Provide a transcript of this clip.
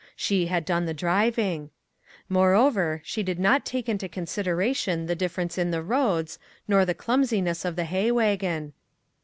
She had done the driving. More over, she did not take into consideration the difference in the roads, nor the clumsiness of the hay wagon.